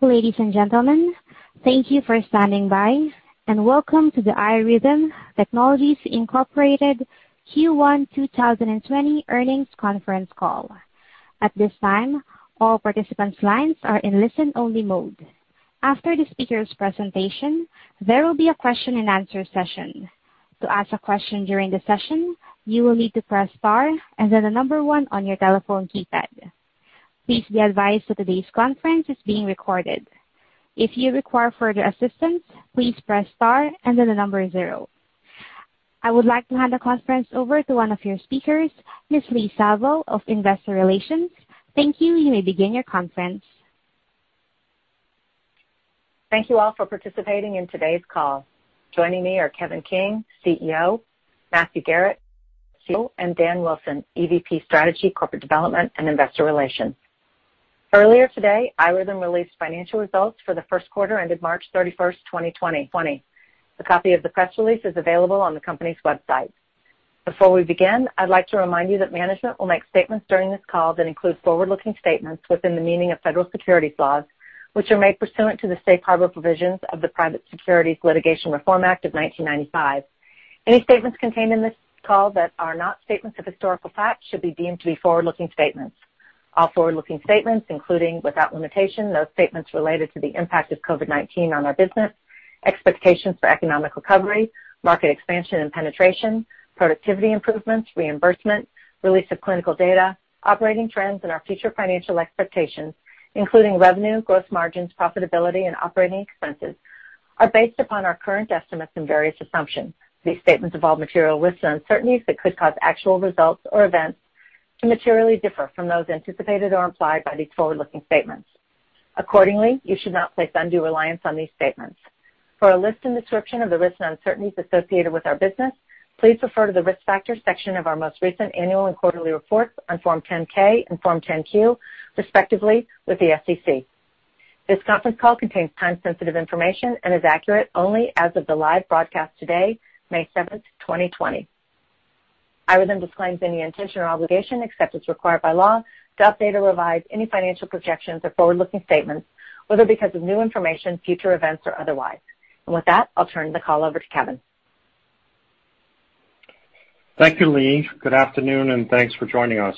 Ladies and gentlemen, thank you for standing by and welcome to the iRhythm Technologies Incorporated Q1 2020 earnings conference call. At this time, all participants' lines are in listen-only mode. After the speakers' presentation, there will be a question and answer session. To ask a question during the session, you will need to press star and then number one on your telephone keypad. Please be advised that today's conference is being recorded. If you require further assistance, please press star and then number zero. I would like to hand the conference over to one of your speakers, Ms. Leigh Salvo of Investor Relations. Thank you. You may begin your conference. Thank you all for participating in today's call. Joining me are Kevin King, CEO, Matthew Garrett, CFO, and Dan Wilson, EVP, Strategy, Corporate Development, and Investor Relations. Earlier today, iRhythm released financial results for the first quarter ended March 31st, 2020. A copy of the press release is available on the company's website. Before we begin, I'd like to remind you that management will make statements during this call that include forward-looking statements within the meaning of federal securities laws, which are made pursuant to the safe harbor provisions of the Private Securities Litigation Reform Act of 1995. Any statements contained in this call that are not statements of historical fact should be deemed to be forward-looking statements. All forward-looking statements, including, without limitation, those statements related to the impact of COVID-19 on our business, expectations for economic recovery, market expansion and penetration, productivity improvements, reimbursement, release of clinical data, operating trends, and our future financial expectations, including revenue, gross margins, profitability, and operating expenses, are based upon our current estimates and various assumptions. These statements involve material risks and uncertainties that could cause actual results or events to materially differ from those anticipated or implied by these forward-looking statements. Accordingly, you should not place undue reliance on these statements. For a list and description of the risks and uncertainties associated with our business, please refer to the risk factors section of our most recent annual and quarterly reports on Form 10-K and Form 10-Q, respectively, with the SEC. This conference call contains time-sensitive information and is accurate only as of the live broadcast today, May 7th, 2020. iRhythm disclaims any intention or obligation, except as required by law, to update or revise any financial projections or forward-looking statements, whether because of new information, future events, or otherwise. With that, I'll turn the call over to Kevin. Thank you, Leigh. Good afternoon. Thanks for joining us.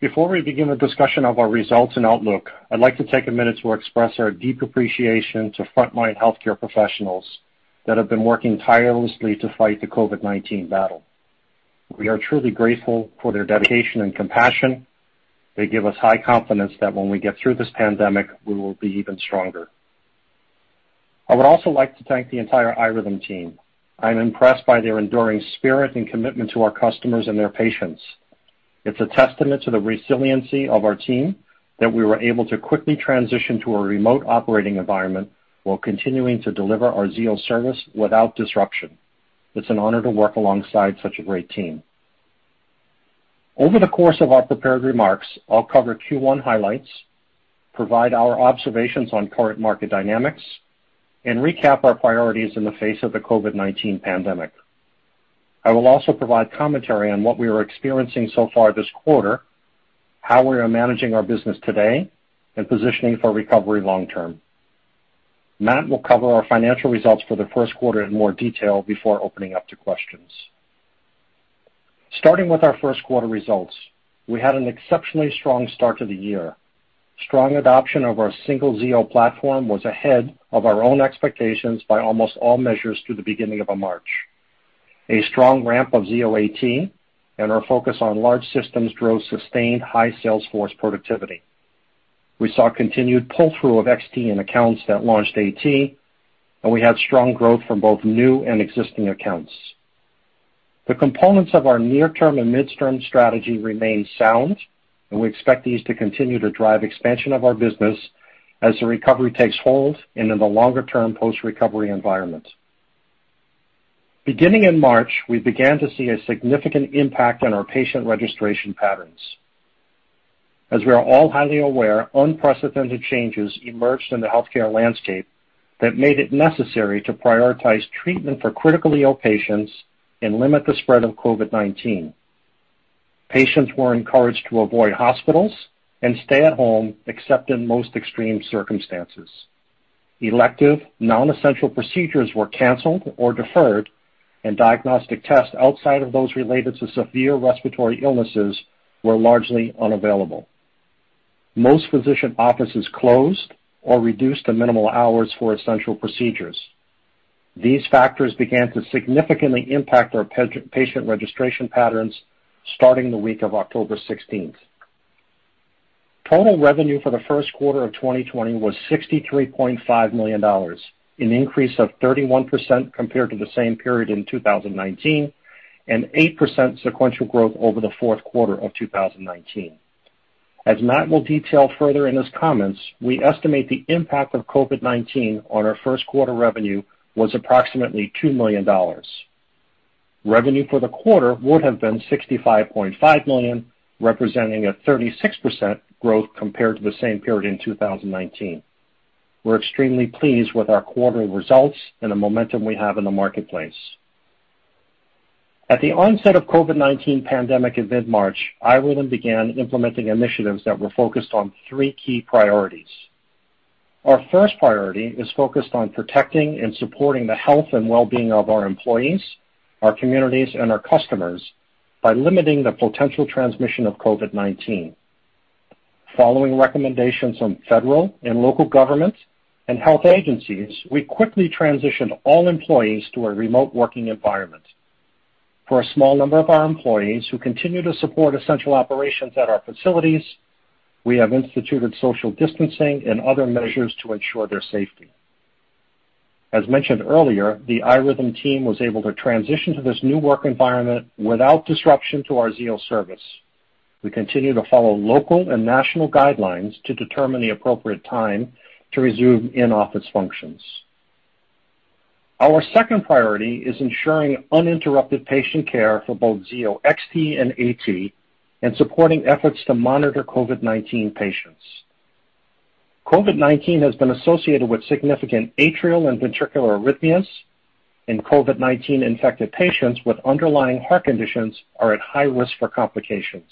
Before we begin the discussion of our results and outlook, I'd like to take a minute to express our deep appreciation to frontline healthcare professionals that have been working tirelessly to fight the COVID-19 battle. We are truly grateful for their dedication and compassion. They give us high confidence that when we get through this pandemic, we will be even stronger. I would also like to thank the entire iRhythm team. I'm impressed by their enduring spirit and commitment to our customers and their patients. It's a testament to the resiliency of our team that we were able to quickly transition to a remote operating environment while continuing to deliver our Zio Service without disruption. It's an honor to work alongside such a great team. Over the course of our prepared remarks, I'll cover Q1 highlights, provide our observations on current market dynamics, and recap our priorities in the face of the COVID-19 pandemic. I will also provide commentary on what we are experiencing so far this quarter, how we are managing our business today, and positioning for recovery long term. Matt will cover our financial results for the first quarter in more detail before opening up to questions. Starting with our first quarter results, we had an exceptionally strong start to the year. Strong adoption of our single Zio platform was ahead of our own expectations by almost all measures through the beginning of March. A strong ramp of Zio AT and our focus on large systems drove sustained high sales force productivity. We saw continued pull-through of XT in accounts that launched AT, and we had strong growth from both new and existing accounts. The components of our near-term and mid-term strategy remain sound, and we expect these to continue to drive expansion of our business as the recovery takes hold and in the longer-term post-recovery environment. Beginning in March, we began to see a significant impact on our patient registration patterns. As we are all highly aware, unprecedented changes emerged in the healthcare landscape that made it necessary to prioritize treatment for critically ill patients and limit the spread of COVID-19. Patients were encouraged to avoid hospitals and stay at home, except in most extreme circumstances. Elective, non-essential procedures were canceled or deferred, and diagnostic tests outside of those related to severe respiratory illnesses were largely unavailable. Most physician offices closed or reduced to minimal hours for essential procedures. These factors began to significantly impact our patient registration patterns starting the week of October 16th. Total revenue for the first quarter of 2020 was $63.5 million, an increase of 31% compared to the same period in 2019, and 8% sequential growth over the fourth quarter of 2019. As Matt will detail further in his comments, we estimate the impact of COVID-19 on our first quarter revenue was approximately $2 million. Revenue for the quarter would have been $65.5 million, representing a 36% growth compared to the same period in 2019. We're extremely pleased with our quarterly results and the momentum we have in the marketplace. At the onset of COVID-19 pandemic in mid-March, iRhythm began implementing initiatives that were focused on three key priorities. Our first priority is focused on protecting and supporting the health and wellbeing of our employees, our communities, and our customers by limiting the potential transmission of COVID-19. Following recommendations from federal and local governments and health agencies, we quickly transitioned all employees to a remote working environment. For a small number of our employees who continue to support essential operations at our facilities, we have instituted social distancing and other measures to ensure their safety. As mentioned earlier, the iRhythm team was able to transition to this new work environment without disruption to our Zio Service. We continue to follow local and national guidelines to determine the appropriate time to resume in-office functions. Our second priority is ensuring uninterrupted patient care for both Zio XT and AT, and supporting efforts to monitor COVID-19 patients. COVID-19 has been associated with significant atrial and ventricular arrhythmias, and COVID-19-infected patients with underlying heart conditions are at high risk for complications.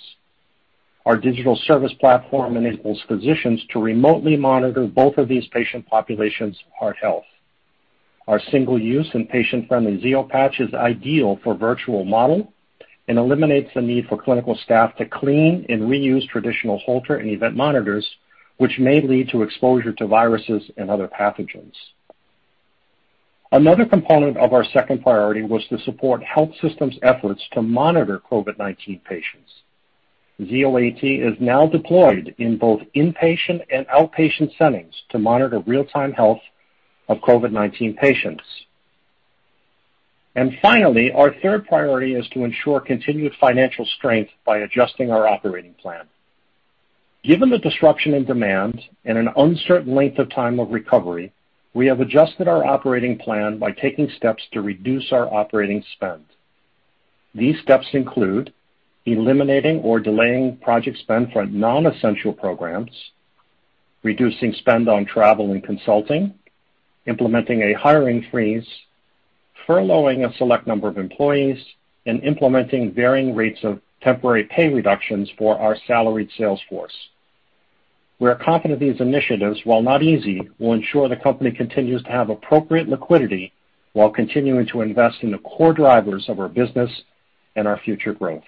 Our digital service platform enables physicians to remotely monitor both of these patient populations' heart health. Our single-use and patient-friendly Zio Patch is ideal for virtual model and eliminates the need for clinical staff to clean and reuse traditional Holter and event monitors, which may lead to exposure to viruses and other pathogens. Another component of our second priority was to support health systems efforts to monitor COVID-19 patients. Zio AT is now deployed in both inpatient and outpatient settings to monitor real-time health of COVID-19 patients. Finally, our third priority is to ensure continued financial strength by adjusting our operating plan. Given the disruption in demand and an uncertain length of time of recovery, we have adjusted our operating plan by taking steps to reduce our operating spend. These steps include eliminating or delaying project spend for non-essential programs, reducing spend on travel and consulting, implementing a hiring freeze, furloughing a select number of employees, and implementing varying rates of temporary pay reductions for our salaried sales force. We are confident these initiatives, while not easy, will ensure the company continues to have appropriate liquidity while continuing to invest in the core drivers of our business and our future growth.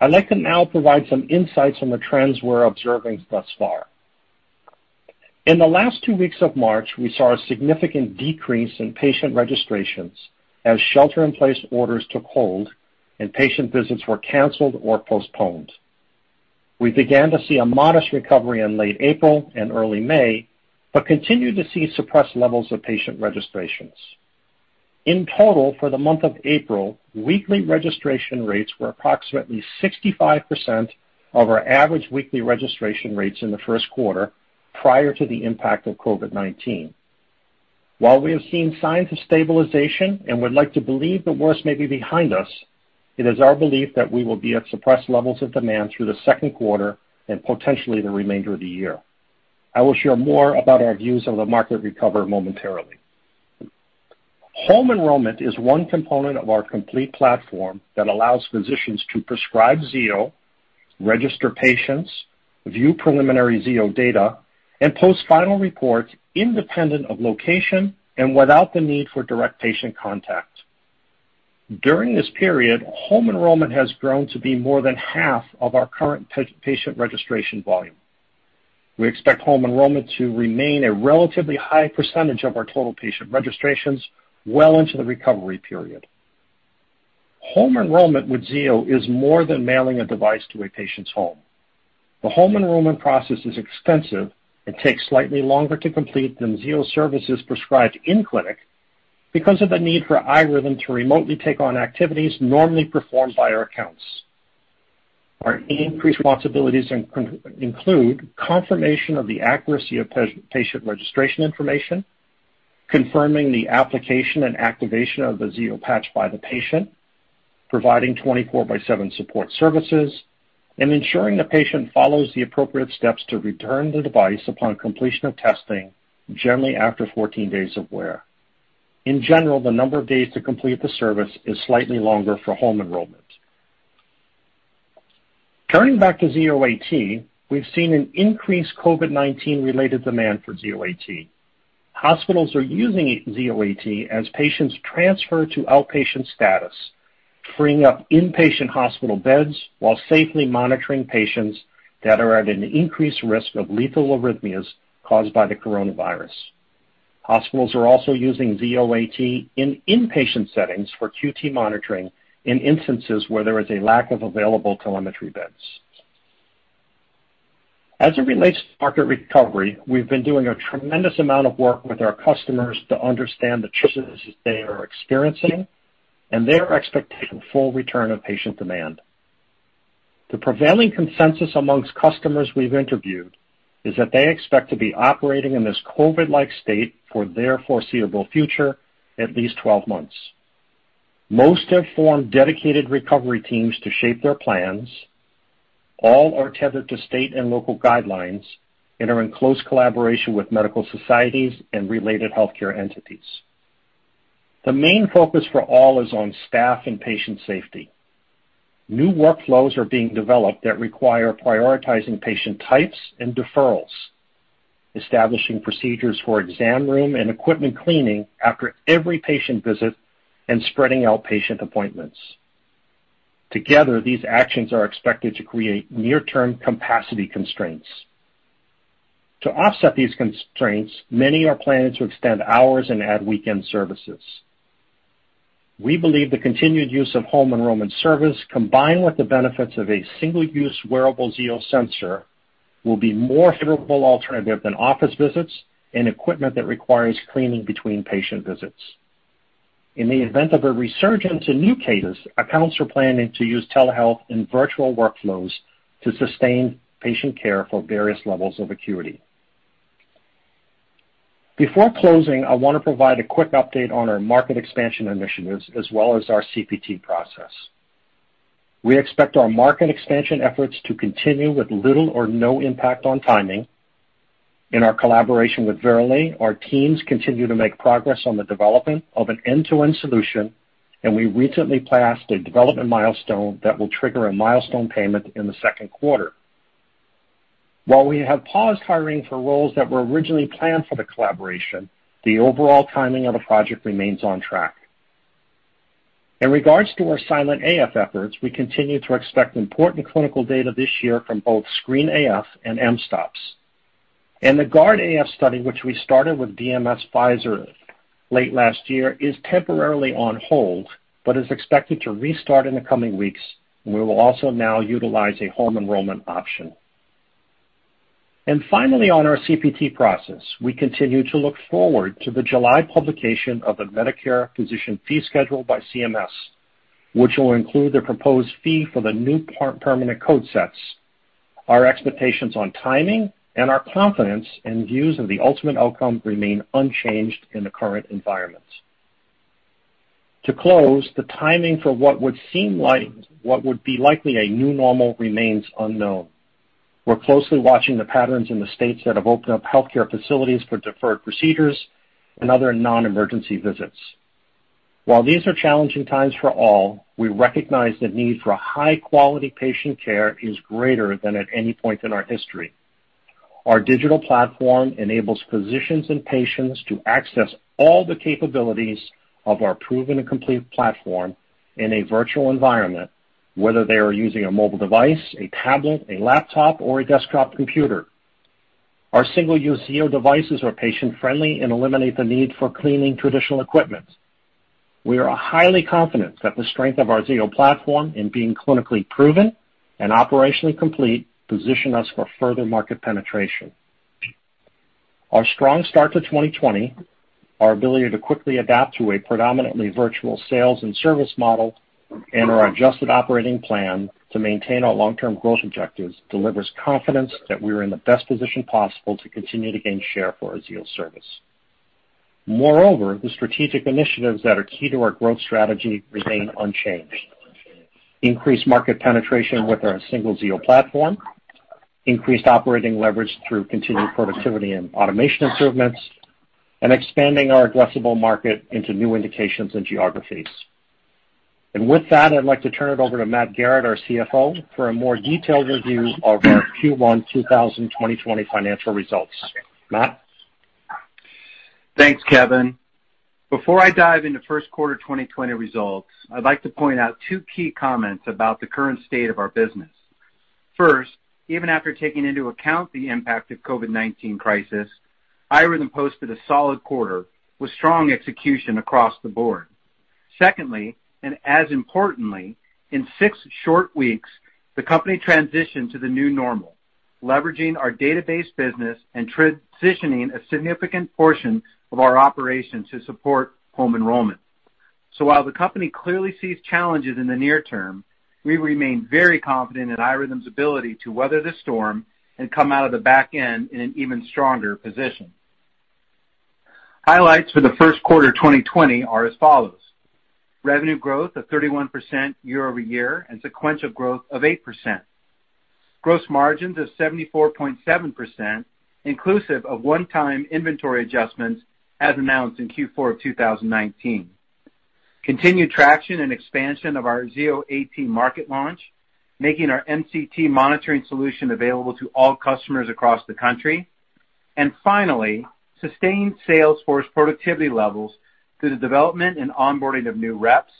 I'd like to now provide some insights on the trends we're observing thus far. In the last two weeks of March, we saw a significant decrease in patient registrations as shelter-in-place orders took hold and patient visits were canceled or postponed. We began to see a modest recovery in late April and early May, but continue to see suppressed levels of patient registrations. In total, for the month of April, weekly registration rates were approximately 65% of our average weekly registration rates in the first quarter prior to the impact of COVID-19. While we have seen signs of stabilization and would like to believe the worst may be behind us, it is our belief that we will be at suppressed levels of demand through the second quarter and potentially the remainder of the year. I will share more about our views of the market recovery momentarily. Home enrollment is one component of our complete platform that allows physicians to prescribe Zio, register patients, view preliminary Zio data, and post final reports independent of location and without the need for direct patient contact. During this period, home enrollment has grown to be more than half of our current patient registration volume. We expect home enrollment to remain a relatively high percentage of our total patient registrations well into the recovery period. Home enrollment with Zio is more than mailing a device to a patient's home. The home enrollment process is extensive and takes slightly longer to complete than Zio Service prescribed in-clinic because of the need for iRhythm to remotely take on activities normally performed by our accounts. Our increased responsibilities include confirmation of the accuracy of patient registration information, confirming the application and activation of the Zio Patch by the patient, providing 24x7 support services, and ensuring the patient follows the appropriate steps to return the device upon completion of testing, generally after 14 days of wear. In general, the number of days to complete the service is slightly longer for home enrollment. Turning back to Zio AT, we've seen an increased COVID-19 related demand for Zio AT. Hospitals are using Zio AT as patients transfer to outpatient status, freeing up inpatient hospital beds while safely monitoring patients that are at an increased risk of lethal arrhythmias caused by the coronavirus. Hospitals are also using Zio AT in inpatient settings for QT monitoring in instances where there is a lack of available telemetry beds. As it relates to market recovery, we've been doing a tremendous amount of work with our customers to understand the challenges they are experiencing and their expectation for return of patient demand. The prevailing consensus amongst customers we've interviewed is that they expect to be operating in this COVID-like state for the foreseeable future, at least 12 months. Most have formed dedicated recovery teams to shape their plans. All are tethered to state and local guidelines and are in close collaboration with medical societies and related healthcare entities. The main focus for all is on staff and patient safety. New workflows are being developed that require prioritizing patient types and deferrals, establishing procedures for exam room and equipment cleaning after every patient visit, and spreading out patient appointments. Together, these actions are expected to create near-term capacity constraints. To offset these constraints, many are planning to extend hours and add weekend services. We believe the continued use of home enrollment service, combined with the benefits of a single-use wearable Zio sensor, will be more favorable alternative than office visits and equipment that requires cleaning between patient visits. In the event of a resurgence in new cases, accounts are planning to use telehealth and virtual workflows to sustain patient care for various levels of acuity. Before closing, I want to provide a quick update on our market expansion initiatives as well as our CPT process. We expect our market expansion efforts to continue with little or no impact on timing. In our collaboration with Verily, our teams continue to make progress on the development of an end-to-end solution, and we recently passed a development milestone that will trigger a milestone payment in the second quarter. While we have paused hiring for roles that were originally planned for the collaboration, the overall timing of the project remains on track. In regards to our silent AF efforts, we continue to expect important clinical data this year from both SCREEN-AF and mSToPS. The GUARD-AF study, which we started with BMS Pfizer late last year, is temporarily on hold, but is expected to restart in the coming weeks, and we will also now utilize a home enrollment option. Finally, on our CPT process, we continue to look forward to the July publication of the Medicare physician fee schedule by CMS, which will include the proposed fee for the new permanent code sets. Our expectations on timing and our confidence in views of the ultimate outcome remain unchanged in the current environment. To close, the timing for what would seem like what would be likely a new normal remains unknown. We're closely watching the patterns in the states that have opened up healthcare facilities for deferred procedures and other non-emergency visits. While these are challenging times for all, we recognize the need for high-quality patient care is greater than at any point in our history. Our digital platform enables physicians and patients to access all the capabilities of our proven and complete platform in a virtual environment, whether they are using a mobile device, a tablet, a laptop, or a desktop computer. Our single-use Zio devices are patient-friendly and eliminate the need for cleaning traditional equipment. We are highly confident that the strength of our Zio platform in being clinically proven and operationally complete position us for further market penetration. Our strong start to 2020, our ability to quickly adapt to a predominantly virtual sales and service model, and our adjusted operating plan to maintain our long-term growth objectives delivers confidence that we're in the best position possible to continue to gain share for our Zio Service. Moreover, the strategic initiatives that are key to our growth strategy remain unchanged. Increased market penetration with our single Zio platform, increased operating leverage through continued productivity and automation improvements, and expanding our addressable market into new indications and geographies. With that, I'd like to turn it over to Matt Garrett, our CFO, for a more detailed review of our Q1 2020 financial results. Matt? Thanks, Kevin. Before I dive into first quarter 2020 results, I'd like to point out two key comments about the current state of our business. First, even after taking into account the impact of COVID-19 crisis, iRhythm posted a solid quarter with strong execution across the board. Secondly, as importantly, in six short weeks, the company transitioned to the new normal, leveraging our database business and transitioning a significant portion of our operations to support home enrollment. While the company clearly sees challenges in the near term, we remain very confident in iRhythm's ability to weather the storm and come out of the back end in an even stronger position. Highlights for the first quarter 2020 are as follows. Revenue growth of 31% year-over-year and sequential growth of 8%. Gross margins of 74.7%, inclusive of one-time inventory adjustments as announced in Q4 of 2019. Continued traction and expansion of our Zio AT market launch, making our MCT monitoring solution available to all customers across the country. Finally, sustained sales force productivity levels through the development and onboarding of new reps,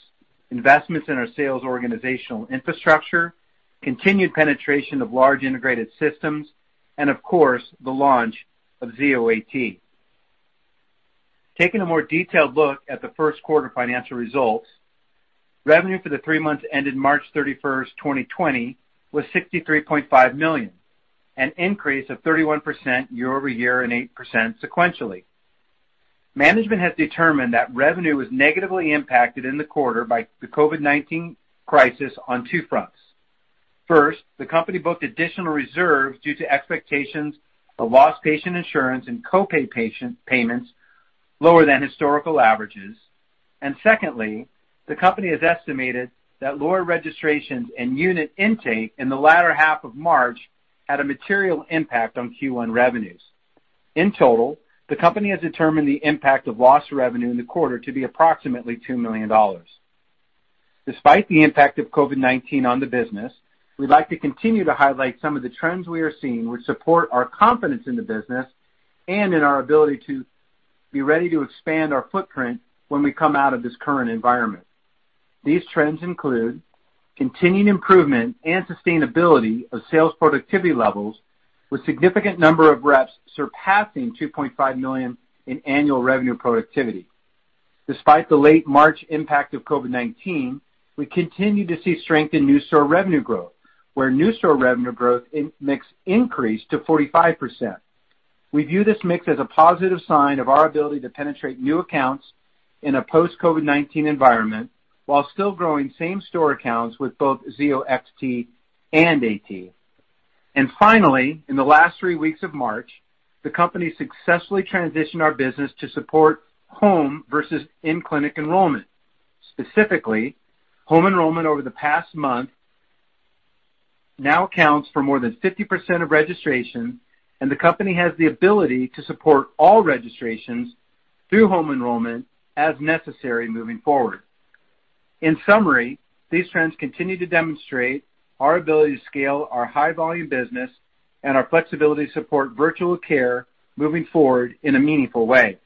investments in our sales organizational infrastructure, continued penetration of large integrated systems, and of course, the launch of Zio AT. Taking a more detailed look at the first quarter financial results, revenue for the three months ended March 31st, 2020, was $63.5 million, an increase of 31% year-over-year and 8% sequentially. Management has determined that revenue was negatively impacted in the quarter by the COVID-19 crisis on two fronts. First, the company booked additional reserves due to expectations of lost patient insurance and co-pay patient payments lower than historical averages. Secondly, the company has estimated that lower registrations and unit intake in the latter half of March had a material impact on Q1 revenues. In total, the company has determined the impact of lost revenue in the quarter to be approximately $2 million. Despite the impact of COVID-19 on the business, we'd like to continue to highlight some of the trends we are seeing, which support our confidence in the business and in our ability to be ready to expand our footprint when we come out of this current environment. These trends include continued improvement and sustainability of sales productivity levels, with significant number of reps surpassing $2.5 million in annual revenue productivity. Despite the late March impact of COVID-19, we continue to see strength in new store revenue growth, where new store revenue growth mix increased to 45%. We view this mix as a positive sign of our ability to penetrate new accounts in a post-COVID-19 environment while still growing same store accounts with both Zio XT and AT. Finally, in the last three weeks of March, the company successfully transitioned our business to support home versus in-clinic enrollment. Specifically, home enrollment over the past month now accounts for more than 50% of registration, and the company has the ability to support all registrations through home enrollment as necessary moving forward. In summary, these trends continue to demonstrate our ability to scale our high-volume business and our flexibility to support virtual care moving forward in a meaningful way.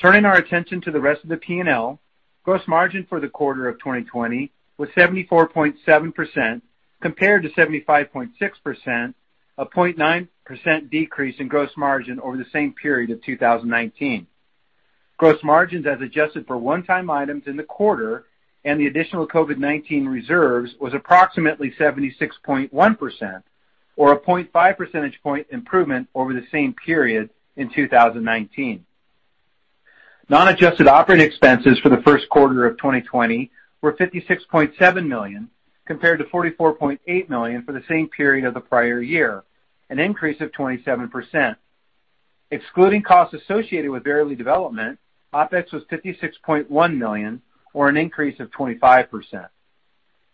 Turning our attention to the rest of the P&L, gross margin for the quarter of 2020 was 74.7% compared to 75.6%, a 0.9% decrease in gross margin over the same period of 2019. Gross margins, as adjusted for one-time items in the quarter and the additional COVID-19 reserves, was approximately 76.1%, or a 0.5 percentage point improvement over the same period in 2019. Non-adjusted operating expenses for the first quarter of 2020 were $56.7 million, compared to $44.8 million for the same period of the prior year, an increase of 27%. Excluding costs associated with Verily development, OpEx was $56.1 million, or an increase of 25%.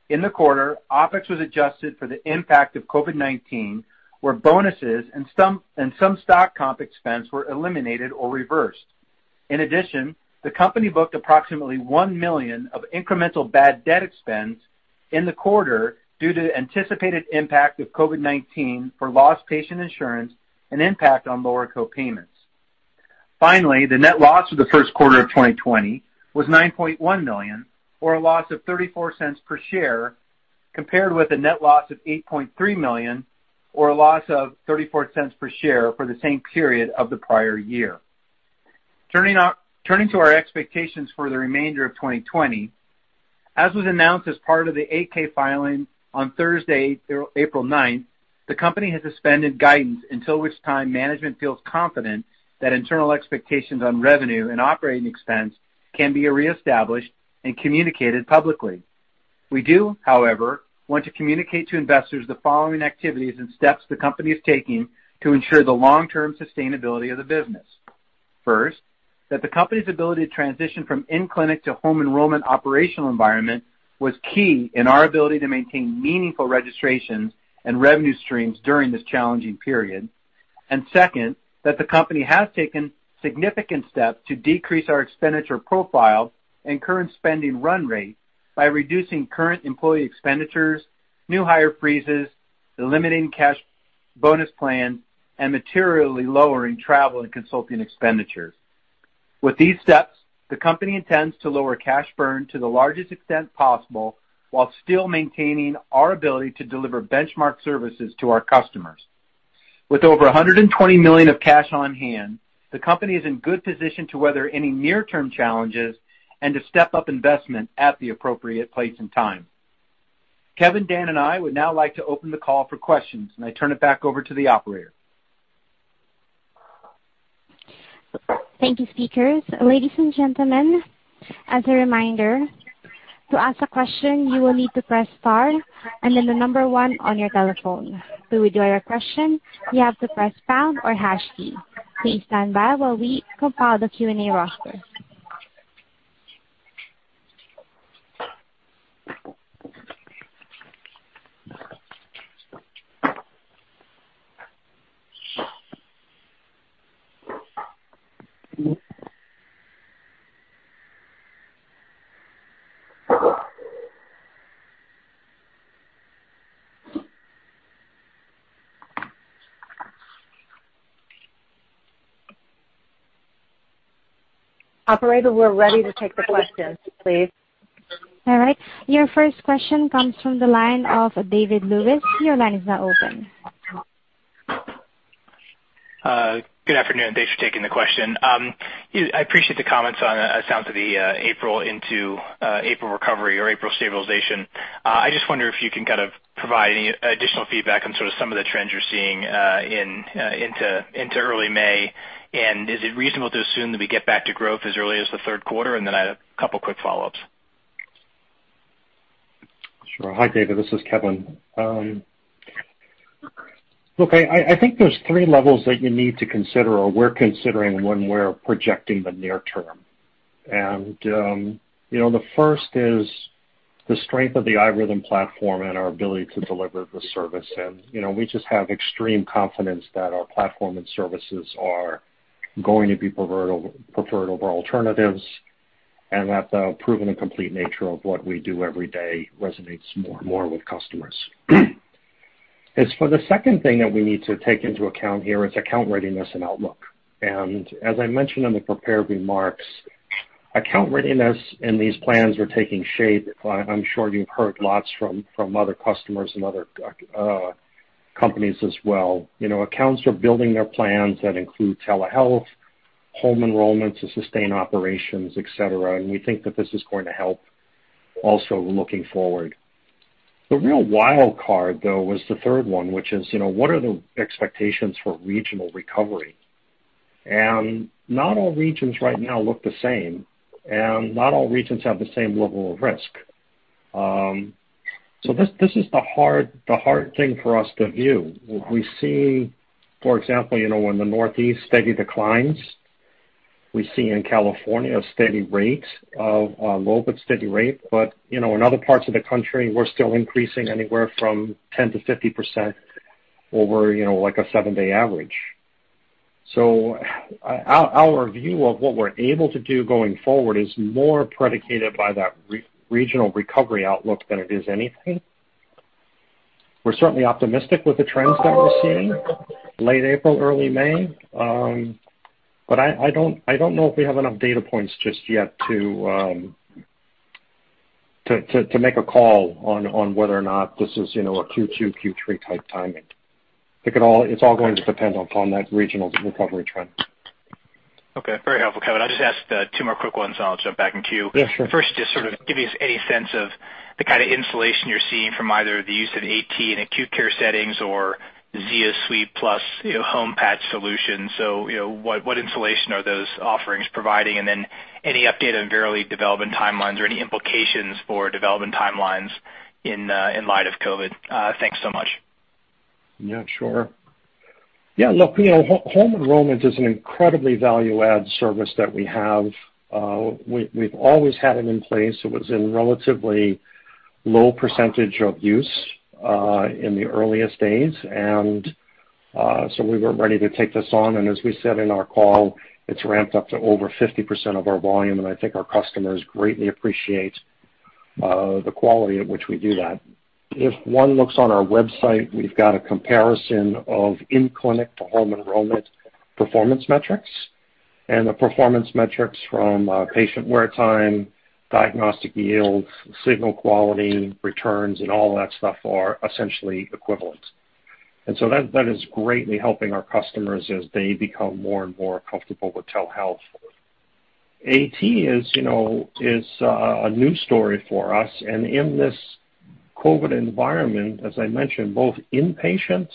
In the quarter, OpEx was adjusted for the impact of COVID-19, where bonuses and some stock comp expense were eliminated or reversed. In addition, the company booked approximately $1 million of incremental bad debt expense in the quarter due to anticipated impact of COVID-19 for lost patient insurance and impact on lower co-payments. Finally, the net loss for the first quarter of 2020 was $9.1 million, or a loss of $0.34 per share, compared with a net loss of $8.3 million, or a loss of $0.34 per share for the same period of the prior year. Turning to our expectations for the remainder of 2020. As was announced as part of the 8-K filing on Thursday, April 9th, the company has suspended guidance until which time management feels confident that internal expectations on revenue and operating expense can be reestablished and communicated publicly. We do, however, want to communicate to investors the following activities and steps the company is taking to ensure the long-term sustainability of the business. First, that the company's ability to transition from in-clinic to home enrollment operational environment was key in our ability to maintain meaningful registrations and revenue streams during this challenging period. Second, that the company has taken significant steps to decrease our expenditure profile and current spending run rate by reducing current employee expenditures, new hire freezes, eliminating cash bonus plans, and materially lowering travel and consulting expenditures. With these steps, the company intends to lower cash burn to the largest extent possible while still maintaining our ability to deliver benchmark services to our customers. With over $120 million of cash on hand, the company is in good position to weather any near-term challenges and to step up investment at the appropriate place and time. Kevin, Dan, and I would now like to open the call for questions, and I turn it back over to the operator. Thank you, speakers. Ladies and gentlemen, as a reminder, to ask a question, you will need to press star and then the number one on your telephone. To withdraw your question, you have to press pound or hash key. Please stand by while we compile the Q&A roster. Operator, we're ready to take the questions, please. All right. Your first question comes from the line of David Lewis. Your line is now open. Good afternoon. Thanks for taking the question. I appreciate the comments on the sound of the April into April recovery or April stabilization. I just wonder if you can kind of provide any additional feedback on sort of some of the trends you're seeing into early May. Is it reasonable to assume that we get back to growth as early as the third quarter? I have a couple quick follow-ups. Hi, David, this is Kevin. Look, I think there's three levels that you need to consider or we're considering when we're projecting the near term. The first is the strength of the iRhythm platform and our ability to deliver the service. We just have extreme confidence that our platform and services are going to be preferred over alternatives and that the proven and complete nature of what we do every day resonates more and more with customers. As for the second thing that we need to take into account here is account readiness and outlook. As I mentioned in the prepared remarks, account readiness and these plans are taking shape. I'm sure you've heard lots from other customers and other companies as well. Accounts are building their plans that include telehealth, home enrollments to sustain operations, et cetera, and we think that this is going to help also looking forward. The real wild card, though, was the third one, which is, what are the expectations for regional recovery? Not all regions right now look the same, and not all regions have the same level of risk. This is the hard thing for us to view. We see, for example, in the Northeast, steady declines. We see in California a steady rate of, a low but steady rate. In other parts of the country, we're still increasing anywhere from 10%-50% over a seven-day average. Our view of what we're able to do going forward is more predicated by that regional recovery outlook than it is anything. We're certainly optimistic with the trends that we're seeing late April, early May. I don't know if we have enough data points just yet to make a call on whether or not this is a Q2, Q3-type timing. It's all going to depend upon that regional recovery trend. Okay. Very helpful, Kevin. I'll just ask two more quick ones, and I'll jump back in queue. Yeah, sure. First, just sort of give you any sense of the kind of insulation you're seeing from either the use of AT in acute care settings or ZioSuite plus home patch solutions. What insulation are those offerings providing? Any update on Verily development timelines or any implications for development timelines in light of COVID? Thanks so much. Yeah, sure. Yeah, look, home enrollment is an incredibly value-add service that we have. We've always had it in place. It was in relatively low percentage of use in the earliest days. We were ready to take this on, and as we said in our call, it's ramped up to over 50% of our volume, and I think our customers greatly appreciate the quality at which we do that. If one looks on our website, we've got a comparison of in-clinic to home enrollment performance metrics, and the performance metrics from patient wear time, diagnostic yields, signal quality, returns, and all that stuff are essentially equivalent. That is greatly helping our customers as they become more and more comfortable with telehealth. AT is a new story for us. In this COVID environment, as I mentioned, both inpatient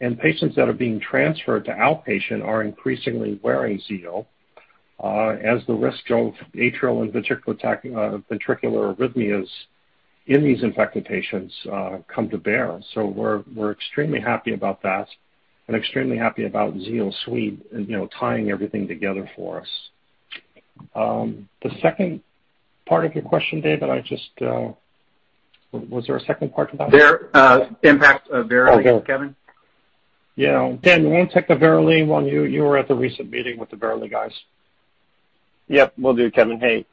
and patients that are being transferred to outpatient are increasingly wearing Zio as the risk of atrial and ventricular arrhythmias in these infected patients come to bear. We're extremely happy about that and extremely happy about ZioSuite and tying everything together for us. The second part of your question, David. Was there a second part to that? Impact of Verily, Kevin? Yeah. Dan, why don't you take the Verily one? You were at the recent meeting with the Verily guys. Yep, will do, Kevin. Hey,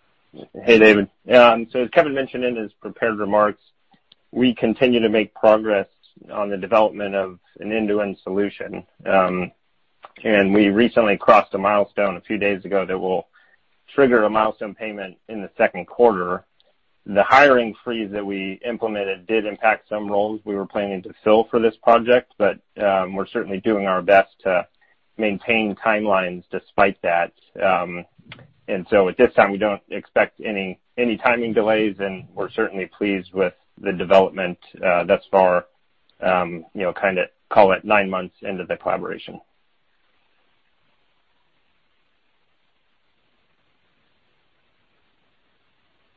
David. As Kevin mentioned in his prepared remarks, we continue to make progress on the development of an end-to-end solution. We recently crossed a milestone a few days ago that will trigger a milestone payment in the second quarter. The hiring freeze that we implemented did impact some roles we were planning to fill for this project, but we're certainly doing our best to maintain timelines despite that. At this time, we don't expect any timing delays, and we're certainly pleased with the development thus far, call it nine months into the collaboration.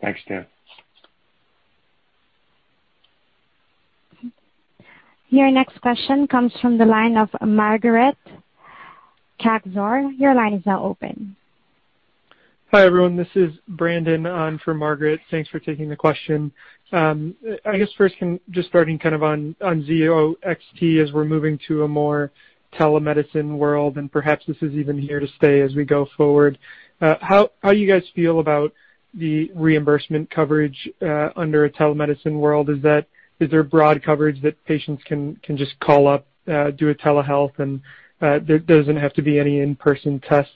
Thanks, Dan. Your next question comes from the line of Margaret Kaczor. Your line is now open. Hi, everyone. This is Brandon on for Margaret. Thanks for taking the question. I guess first, just starting on Zio XT as we're moving to a more telemedicine world, and perhaps this is even here to stay as we go forward. How you guys feel about the reimbursement coverage under a telemedicine world? Is there broad coverage that patients can just call up, do a telehealth, and there doesn't have to be any in-person tests?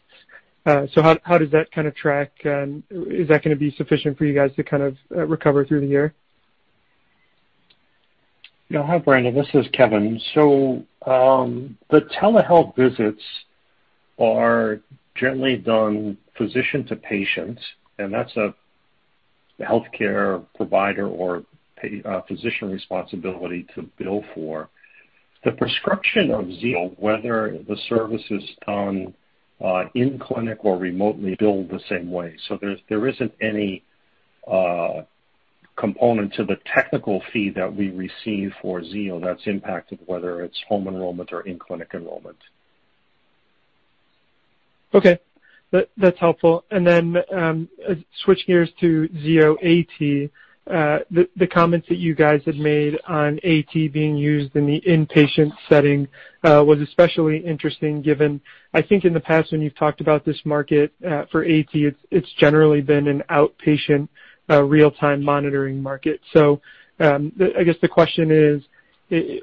How does that track, and is that going to be sufficient for you guys to recover through the year? Yeah. Hi, Brandon. This is Kevin. The telehealth visits are generally done physician to patient, and that's a healthcare provider or physician responsibility to bill for. The prescription of Zio, whether the service is done in-clinic or remotely, billed the same way. There isn't any component to the technical fee that we receive for Zio that's impacted, whether it's home enrollment or in-clinic enrollment. Okay. That's helpful. Switching gears to Zio AT, the comments that you guys had made on AT being used in the inpatient setting was especially interesting given, I think in the past, when you've talked about this market for AT, it's generally been an outpatient real-time monitoring market. I guess the question is,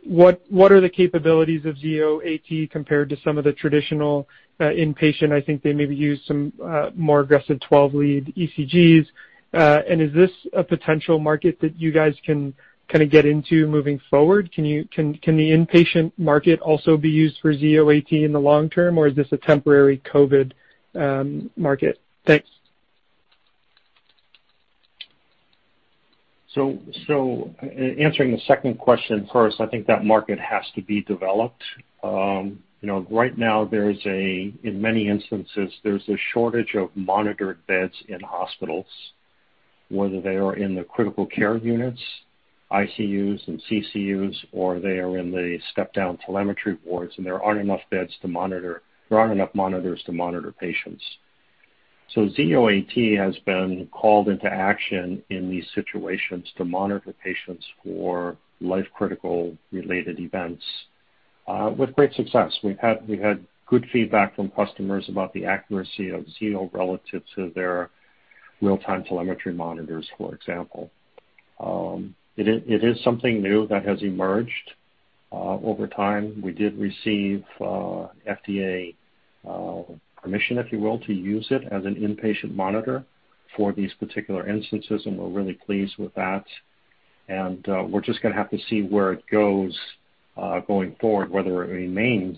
what are the capabilities of Zio AT compared to some of the traditional inpatient? I think they maybe use some more aggressive 12-lead ECGs. Is this a potential market that you guys can kind of get into moving forward? Can the inpatient market also be used for Zio AT in the long term, or is this a temporary COVID market? Thanks. Answering the second question first, I think that market has to be developed. Right now, in many instances, there's a shortage of monitored beds in hospitals, whether they are in the critical care units, ICUs, and CCUs, or they are in the step-down telemetry wards, and there aren't enough monitors to monitor patients. Zio AT has been called into action in these situations to monitor patients for life-critical related events with great success. We've had good feedback from customers about the accuracy of Zio relative to their real-time telemetry monitors, for example. It is something new that has emerged. Over time, we did receive FDA permission, if you will, to use it as an inpatient monitor for these particular instances, and we're really pleased with that. We're just going to have to see where it goes going forward, whether it remains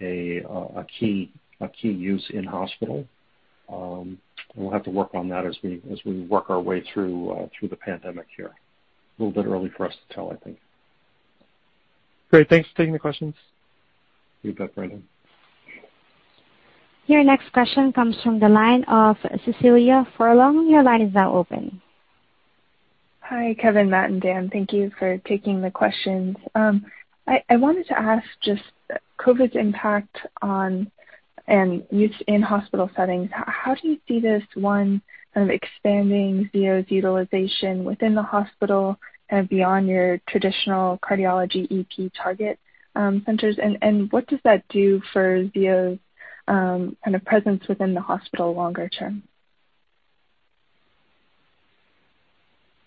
a key use in-hospital. We'll have to work on that as we work our way through the pandemic here. A little bit early for us to tell, I think. Great. Thanks for taking the questions. You bet, Brandon. Your next question comes from the line of Cecilia Furlong. Your line is now open. Hi, Kevin, Matt, and Dan. Thank you for taking the questions. I wanted to ask just COVID's impact on and use in hospital settings. How do you see this, one, kind of expanding Zio's utilization within the hospital and beyond your traditional cardiology EP target centers? What does that do for Zio's kind of presence within the hospital longer term?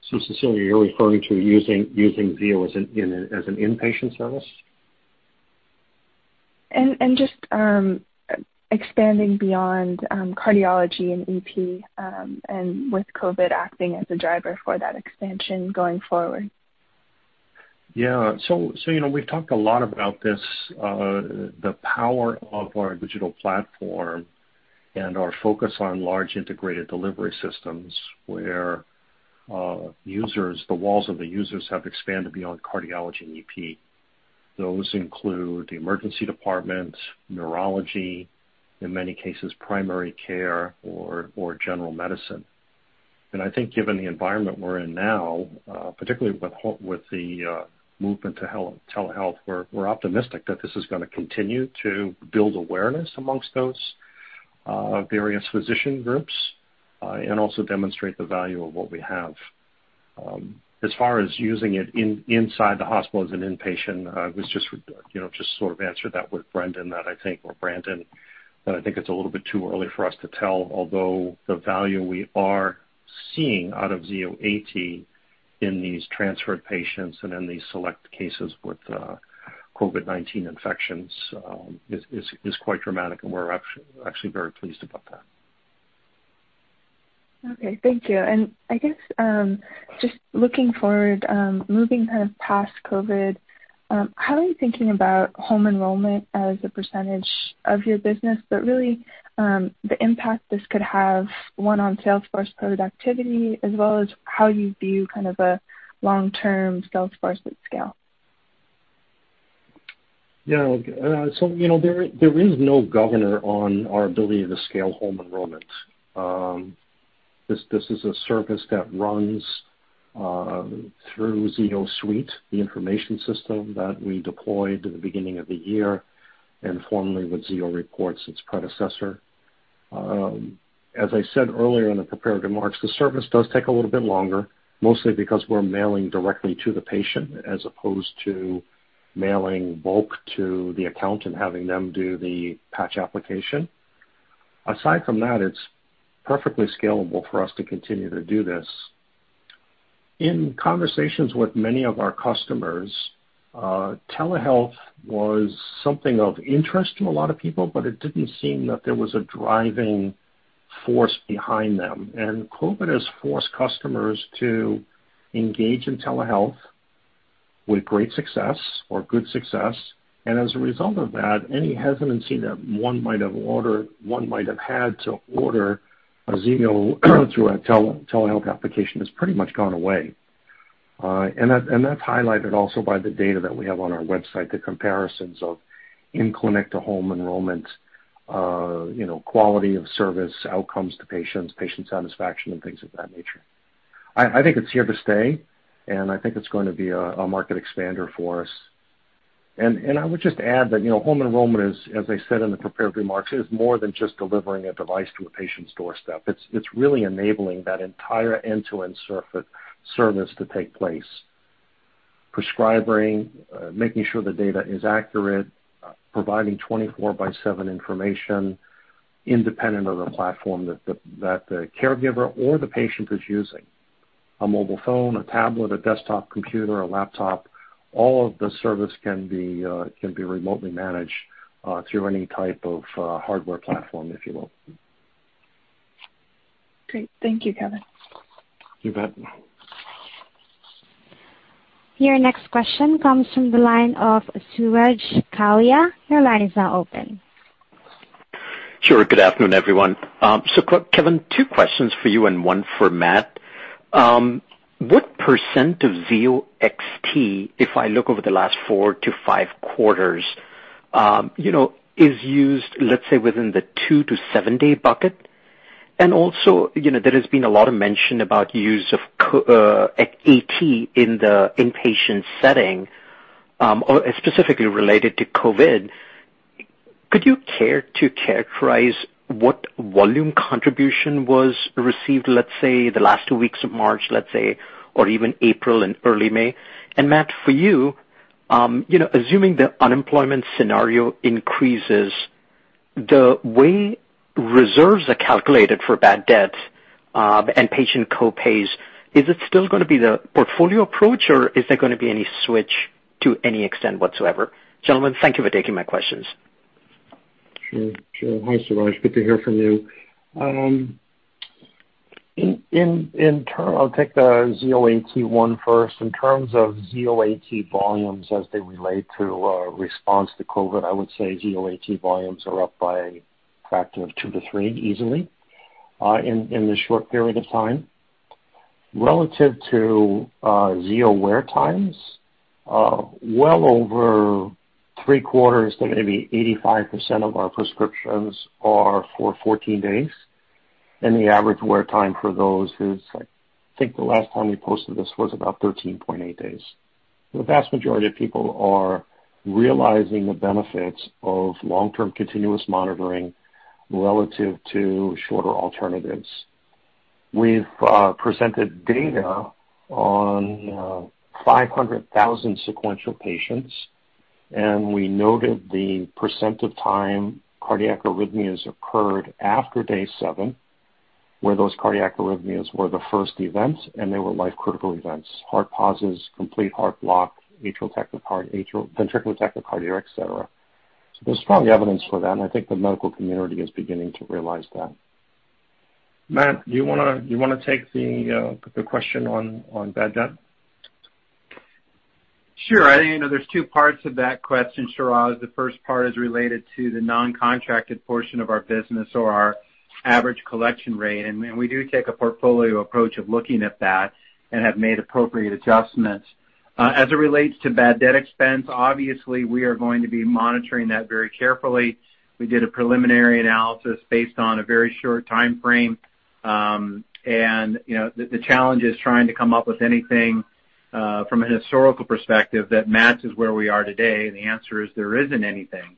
Cecilia, you're referring to using Zio as an inpatient service? Just expanding beyond cardiology and EP, and with COVID acting as a driver for that expansion going forward. Yeah. We've talked a lot about this. The power of our digital platform and our focus on large integrated delivery systems where the walls of the users have expanded beyond cardiology and EP. Those include the emergency department, neurology, in many cases, primary care or general medicine. I think given the environment we're in now, particularly with the movement to telehealth, we're optimistic that this is going to continue to build awareness amongst those various physician groups and also demonstrate the value of what we have. As far as using it inside the hospital as an inpatient, I just sort of answered that with Brandon, that I think it's a little bit too early for us to tell, although the value we are seeing out of Zio AT in these transferred patients and in these select cases with COVID-19 infections is quite dramatic, and we're actually very pleased about that. Okay. Thank you. I guess just looking forward, moving kind of past COVID, how are you thinking about home enrollment as a percentage of your business, but really the impact this could have, one, on sales force productivity as well as how you view kind of a long-term sales force at scale? Yeah. There is no governor on our ability to scale home enrollment. This is a service that runs through ZioSuite, the information system that we deployed at the beginning of the year and formerly with Zio Report, its predecessor. As I said earlier in the prepared remarks, the service does take a little bit longer, mostly because we're mailing directly to the patient as opposed to mailing bulk to the account and having them do the patch application. Aside from that, it's perfectly scalable for us to continue to do this. In conversations with many of our customers, telehealth was something of interest to a lot of people, but it didn't seem that there was a driving force behind them. COVID has forced customers to engage in telehealth with great success or good success. As a result of that, any hesitancy that one might have had to order a Zio through a telehealth application has pretty much gone away. That's highlighted also by the data that we have on our website, the comparisons of in-clinic to home enrollment, quality of service, outcomes to patients, patient satisfaction, and things of that nature. I think it's here to stay, and I think it's going to be a market expander for us. I would just add that home enrollment is, as I said in the prepared remarks, is more than just delivering a device to a patient's doorstep. It's really enabling that entire end-to-end service to take place. Prescribing, making sure the data is accurate, providing 24x7 information independent of the platform that the caregiver or the patient is using. A mobile phone, a tablet, a desktop computer, a laptop, all of the service can be remotely managed through any type of hardware platform, if you will. Great. Thank you, Kevin. You bet. Your next question comes from the line of Suraj Kalia. Your line is now open. Sure. Good afternoon, everyone. Kevin, two questions for you and one for Matt. What percent of Zio XT, if I look over the last four to five quarters, is used, let's say, within the two-to-seven-day bucket? Also, there has been a lot of mention about use of AT in the inpatient setting, specifically related to COVID. Could you care to characterize what volume contribution was received, let's say, the last two weeks of March, let's say, or even April and early May? Matt, for you, assuming the unemployment scenario increases, the way reserves are calculated for bad debts and patient co-pays, is it still going to be the portfolio approach or is there going to be any switch to any extent whatsoever? Gentlemen, thank you for taking my questions. Sure. Hi, Suraj. Good to hear from you. I'll take the Zio AT one first. In terms of Zio AT volumes as they relate to response to COVID, I would say Zio AT volumes are up by a factor of two to three easily in this short period of time. Relative to Zio wear times, well over three-quarters to maybe 85% of our prescriptions are for 14 days, and the average wear time for those is, I think the last time we posted this was about 13.8 days. The vast majority of people are realizing the benefits of long-term continuous monitoring relative to shorter alternatives. We've presented data on 500,000 sequential patients. We noted the percent of time cardiac arrhythmias occurred after day seven, where those cardiac arrhythmias were the first event and they were life-critical events. Heart pauses, complete heart block, atrial tachycardia, etcetera. There's strong evidence for that, and I think the medical community is beginning to realize that. Matt, do you want to take the question on bad debt? Sure. I think there's two parts of that question, Suraj. The first part is related to the non-contracted portion of our business or our average collection rate, and we do take a portfolio approach of looking at that and have made appropriate adjustments. As it relates to bad debt expense, obviously, we are going to be monitoring that very carefully. We did a preliminary analysis based on a very short time frame, and the challenge is trying to come up with anything from a historical perspective that matches where we are today, and the answer is there isn't anything.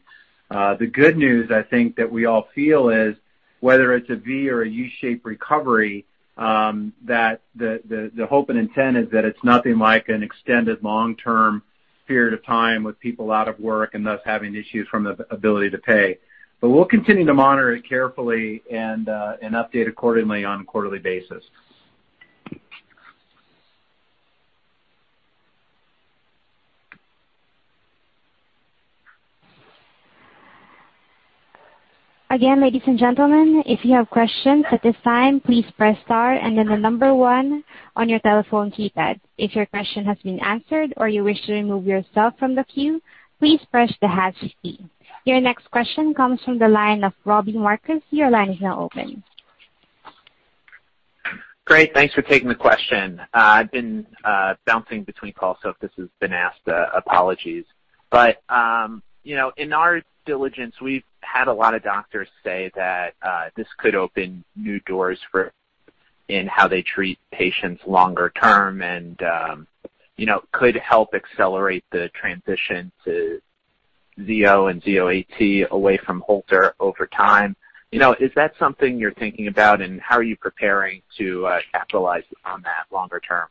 The good news, I think that we all feel is whether it's a V or a U-shaped recovery, that the hope and intent is that it's nothing like an extended long-term period of time with people out of work and thus having issues from the ability to pay. We'll continue to monitor it carefully and update accordingly on a quarterly basis. Again, ladies and gentlemen, if you have questions at this time, please press star and then the number one on your telephone keypad. If your question has been answered or you wish to remove yourself from the queue, please press the hash key. Your next question comes from the line of Robbie Marcus. Your line is now open. Great. Thanks for taking the question. I've been bouncing between calls, so if this has been asked, apologies. In our diligence, we've had a lot of doctors say that this could open new doors in how they treat patients longer term and could help accelerate the transition to Zio and Zio AT away from Holter over time. Is that something you're thinking about, and how are you preparing to capitalize on that longer term?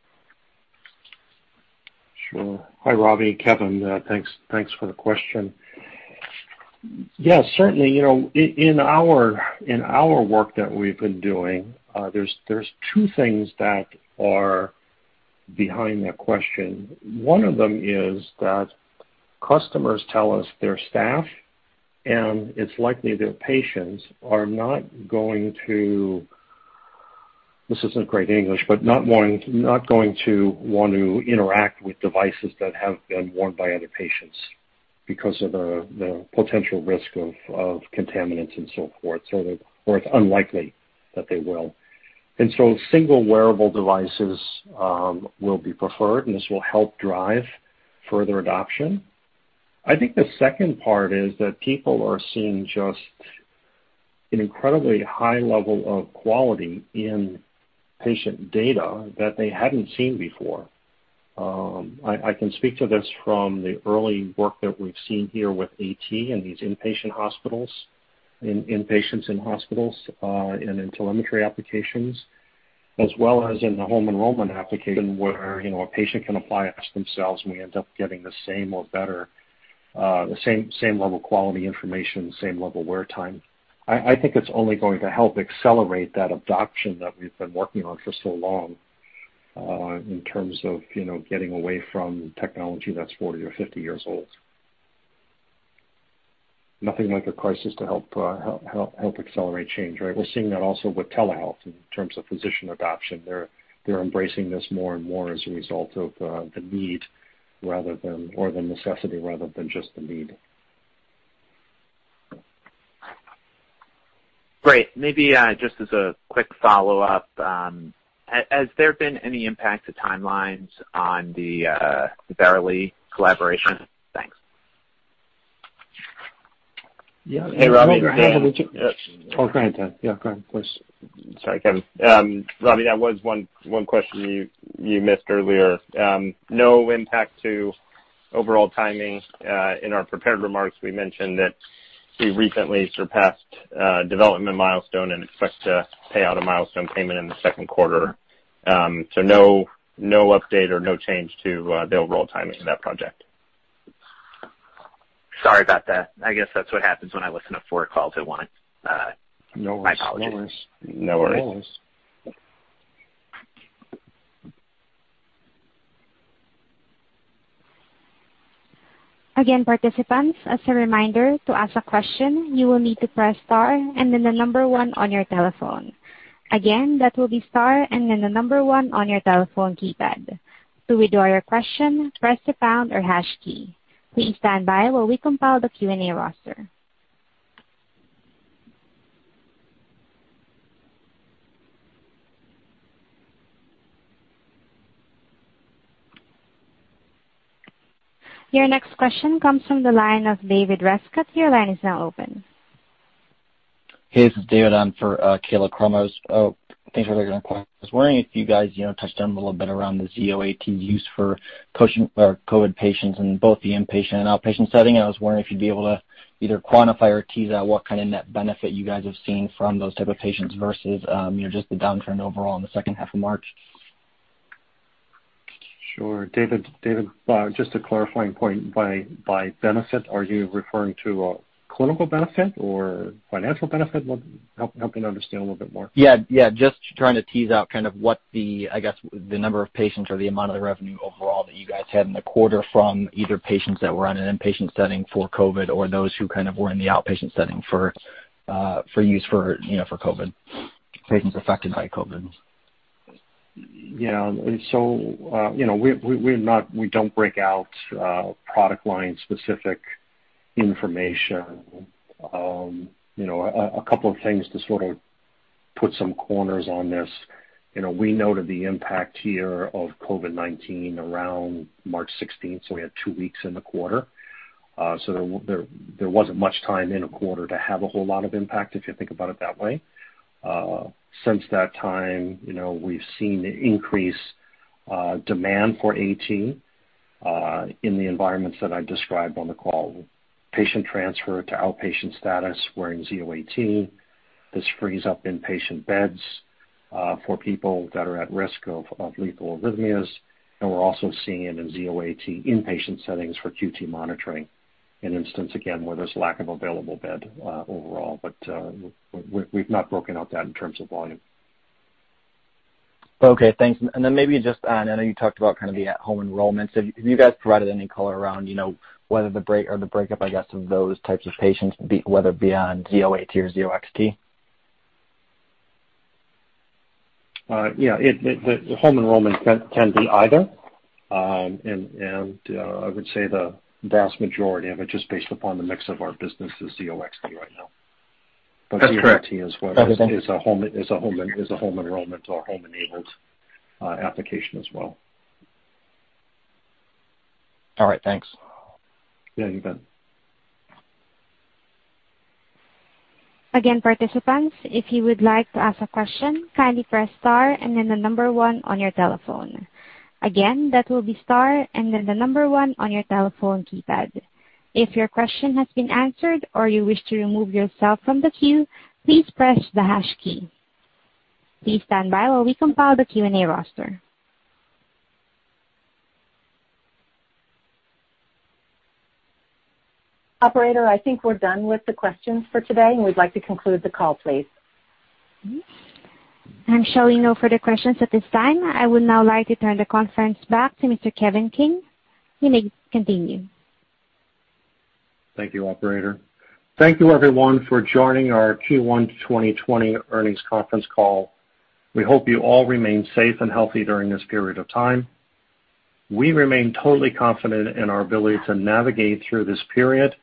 Sure. Hi, Robbie. Kevin. Thanks for the question. Yeah, certainly, in our work that we've been doing, there's two things that are behind that question. One of them is that customers tell us their staff, and it's likely their patients, are not going to want to interact with devices that have been worn by other patients because of the potential risk of contaminants and so forth. That or it's unlikely that they will. Single wearable devices will be preferred, and this will help drive further adoption. I think the second part is that people are seeing just an incredibly high level of quality in patient data that they hadn't seen before. I can speak to this from the early work that we've seen here with AT in these inpatient hospitals, in patients in hospitals, and in telemetry applications, as well as in the home enrollment application where a patient can apply it themselves, and we end up getting the same or better, the same level of quality information, same level of wear time. I think it's only going to help accelerate that adoption that we've been working on for so long, in terms of getting away from technology that's 40 or 50 years old. Nothing like a crisis to help accelerate change, right? We're seeing that also with telehealth in terms of physician adoption. They're embracing this more and more as a result of the need rather than or the necessity rather than just the need. Great. Maybe just as a quick follow-up, has there been any impact to timelines on the Verily collaboration? Thanks. Yeah. Hey, Robbie. Oh, Dan. Yeah, Dan, please. Sorry, Kevin. Robbie, that was one question you missed earlier. No impact to overall timing. In our prepared remarks, we mentioned that we recently surpassed a development milestone and expect to pay out a milestone payment in the second quarter. No update or no change to the overall timing of that project. Sorry about that. I guess that's what happens when I listen to four calls at once. No worries. My apologies. No worries. No worries. Again, participants, as a reminder, to ask a question, you will need to press star and then the number one on your telephone. Again, that will be star and then the number one on your telephone keypad. To withdraw your question, press the pound or hash key. Please stand by while we compile the Q&A roster. Your next question comes from the line of David Rescott. Your line is now open. Hey, this is David. I'm for Kayla Cromos. Oh, thanks for taking my call. I was wondering if you guys touched on a little bit around the Zio AT's use for COVID patients in both the inpatient and outpatient setting. I was wondering if you'd be able to either quantify or tease out what kind of net benefit you guys have seen from those type of patients versus just the downturn overall in the second half of March. Sure, David. Just a clarifying point. By benefit, are you referring to a clinical benefit or financial benefit? Help me understand a little bit more. Yeah. Just trying to tease out kind of what the, I guess the number of patients or the amount of the revenue overall that you guys had in the quarter from either patients that were in an inpatient setting for COVID or those who kind of were in the outpatient setting for use for COVID, patients affected by COVID. Yeah. We don't break out product line-specific information. A couple of things to sort of put some corners on this. We noted the impact here of COVID-19 around March sixteenth, so we had two weeks in the quarter. There wasn't much time in a quarter to have a whole lot of impact, if you think about it that way. Since that time, we've seen increased demand for AT in the environments that I described on the call. Patient transfer to outpatient status wearing Zio AT. This frees up inpatient beds for people that are at risk of lethal arrhythmias. We're also seeing it in Zio AT inpatient settings for QT monitoring in instance, again, where there's lack of available bed overall. We've not broken out that in terms of volume. Okay, thanks. Then maybe just, I know you talked about kind of the at-home enrollments. Have you guys provided any color around whether the breakup, I guess, of those types of patients, whether be on Zio AT or Zio XT? Yeah. The home enrollment can be either. I would say the vast majority of it, just based upon the mix of our business, is Zio XT right now. That's correct. Zio AT as well is a home enrollment or home-enabled application as well. All right, thanks. Yeah, you bet. Again, participants, if you would like to ask a question, kindly press star and then the number one on your telephone. Again, that will be star and then the number one on your telephone keypad. If your question has been answered or you wish to remove yourself from the queue, please press the hash key. Please stand by while we compile the Q&A roster. Operator, I think we're done with the questions for today, and we'd like to conclude the call, please. I'm showing no further questions at this time. I would now like to turn the conference back to Mr. Kevin King. You may continue. Thank you, operator. Thank you, everyone, for joining our Q1 2020 earnings conference call. We hope you all remain safe and healthy during this period of time. We remain totally confident in our ability to navigate through this period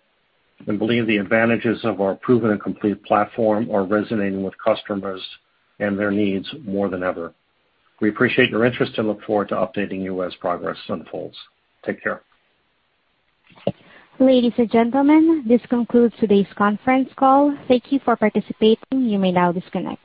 and believe the advantages of our proven and complete platform are resonating with customers and their needs more than ever. We appreciate your interest and look forward to updating you as progress unfolds. Take care. Ladies and gentlemen, this concludes today's conference call. Thank you for participating. You may now disconnect.